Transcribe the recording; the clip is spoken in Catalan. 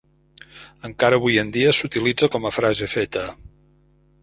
Encara avui en dia s'utilitza com a frase feta.